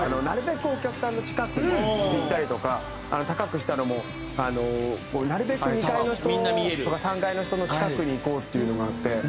なるべくお客さんの近くに行ったりとか高くしたのもなるべく２階の人とか３階の人の近くに行こうっていうのがあって。